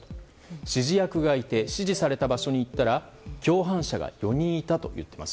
指示役がいて指示された場所に行ったら共犯者が４人いたといっています。